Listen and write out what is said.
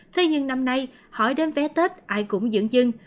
thế nhưng năm nay hỏi đến vé tết ai cũng dưỡng dưng